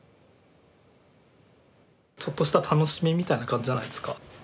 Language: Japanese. ちょっとした楽しみみたいな感じじゃないですか。